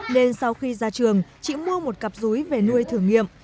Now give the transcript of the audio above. nên sau khi ra trường chị mua một cặp rúi về nuôi thử nghiệm